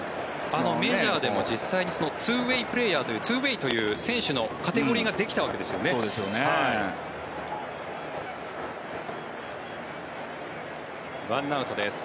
メジャーでも実際にツーウェイプレーヤーというツーウェイという選手のカテゴリーができたわけですね。